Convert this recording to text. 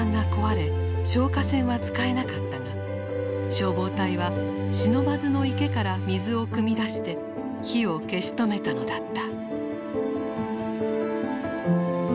消火栓は使えなかったが消防隊は不忍池から水をくみ出して火を消し止めたのだった。